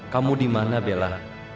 kamu dimana bella